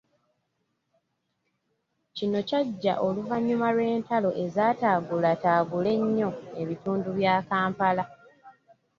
Kino kyajja oluvanyuma lw'entalo ezataagulataagula ennyo ebitundu bya Kampala.